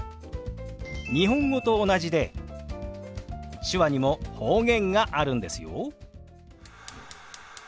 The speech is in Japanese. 日本語と同じで手話にも方言があるんですよ。